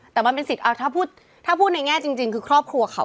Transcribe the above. แต่มันเป็นสิทธิ์ถ้าพูดในแง่จริงคือครอบครัวเขา